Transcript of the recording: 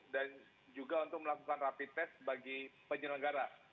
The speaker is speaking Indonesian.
dan juga untuk melakukan rapid test bagi penyelenggara